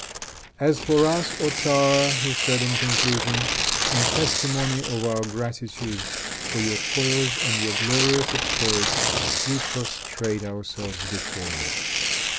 "As for us, O tzar," he said, in conclusion, "in testimony of our gratitude for your toils and your glorious exploits, we prostrate ourselves before you."